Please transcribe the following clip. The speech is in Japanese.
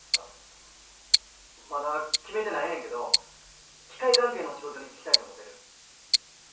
まだ決めてないねんけど機械関係の仕事に就きたいと思てる。